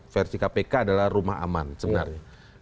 versi kpk adalah rumah aman sebenarnya